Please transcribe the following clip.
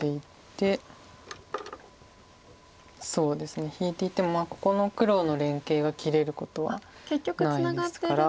そうですね引いていてもここの黒の連係が切れることはないですから。